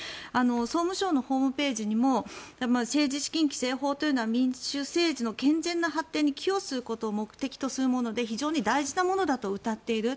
総務省のホームページにも政治資金規正法というのは民衆政治の健全な発展に寄与することを目的とするもので非常に大事なものだとうたっている。